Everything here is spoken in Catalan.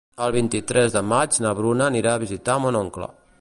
El vint-i-tres de maig na Bruna anirà a visitar mon oncle.